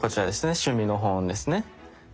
趣味の本ですね。